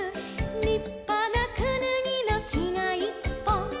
「りっぱなくぬぎのきがいっぽん」